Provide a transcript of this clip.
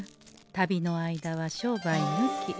旅の間は商売ぬき。